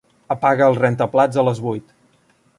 Apaga el rentaplats a les vuit.